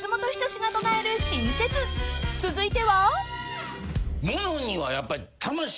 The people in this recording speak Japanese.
［続いては］